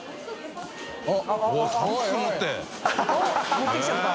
持ってきちゃった。